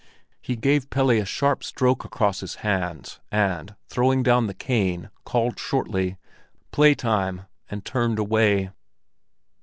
He gave Pelle a sharp stroke across his hands, and throwing down the cane, called shortly, "Playtime!" and turned away.